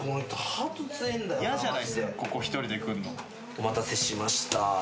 お待たせしました。